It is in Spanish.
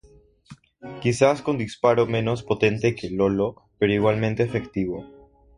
Quizás con disparo menos potente que "Lolo" pero igualmente efectivo.